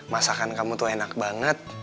masakan kamu tuh enak banget